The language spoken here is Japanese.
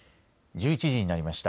１１時になりました。